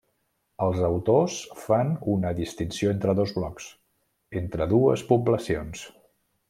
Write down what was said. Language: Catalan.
Els autors fan una distinció entre dos blocs, entre dues poblacions.